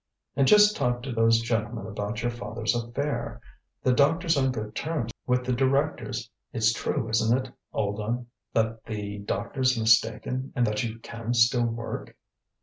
"And just talk to those gentlemen about your father's affair. The doctor's on good terms with the directors. It's true, isn't it, old un, that the doctor's mistaken, and that you can still work?"